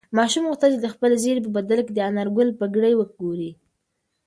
ماشوم غوښتل چې د خپل زېري په بدل کې د انارګل پګړۍ وګوري.